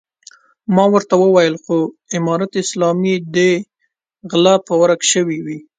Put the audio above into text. ما ورته وويل خو امارت اسلامي دی غله به ورک شوي وي.